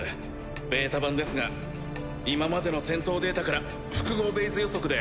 ベータ版ですが今までの戦闘データから複合ベイズ予測で。